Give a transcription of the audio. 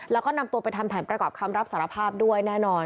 แล้วก็นำตัวไปทำแผนประกอบคำรับสารภาพด้วยแน่นอน